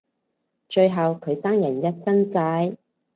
最後佢爭人一身債